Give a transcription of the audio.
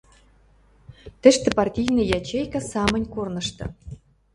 — Тӹштӹ партийный ячейка самынь корнышты...